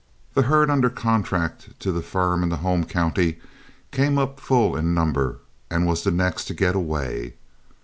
The herd under contract to the firm in the home county came up full in number, and was the next to get away.